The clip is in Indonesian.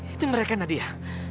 itu mereka nadia